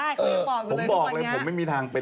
เขาจะบอกอยู่เลยทุกวันอย่างนี้เออผมบอกเลยผมไม่มีทางเป็น